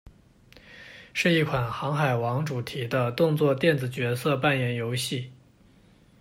是一款航海王主题的动作电子角色扮演游戏。